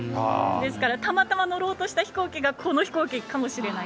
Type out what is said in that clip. ですからたまたま乗ろうとした飛行機がこの飛行機かもしれない。